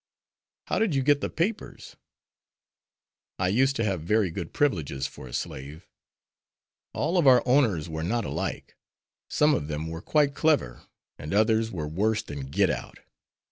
"How did you get the papers?" "I used to have very good privileges for a slave. All of our owners were not alike. Some of them were quite clever, and others were worse than git out.